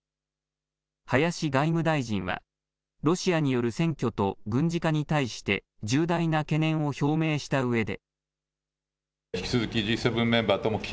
林外務大臣はロシアによる占拠と軍事化に対して重大な懸念を表明したうえで。